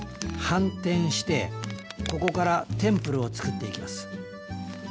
反転してここからテンプルを作っていきます。